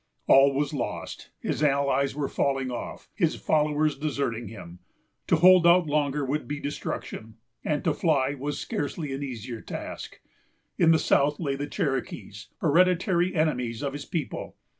All was lost. His allies were falling off, his followers deserting him. To hold out longer would be destruction, and to fly was scarcely an easier task. In the south lay the Cherokees, hereditary enemies of his people.